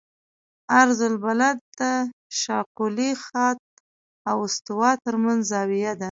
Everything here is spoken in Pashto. عرض البلد د شاقولي خط او استوا ترمنځ زاویه ده